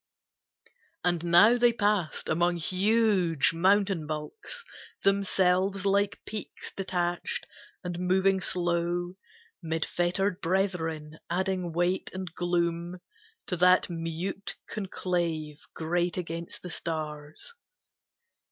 And now they passed among huge mountain bulks, Themselves like peaks detached, and moving slow 'Mid fettered brethren, adding weight and gloom To that mute conclave great against the stars.